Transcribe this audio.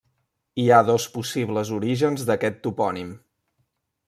Hi ha dos possibles orígens d'aquest topònim.